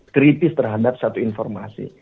kritis terhadap satu informasi